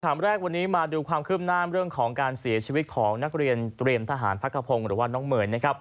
ถามแรกวันนี้มาดูความเคลือบหน้างการเสียชีวิตของนักเรียนเตรียมทหารพักกะพงด้วยว่าน้องหมื่น